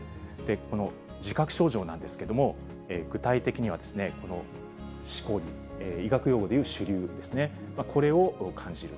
この自覚症状なんですけれども、具体的にはしこり、医学用語でいう腫りゅうですね、これを感じる。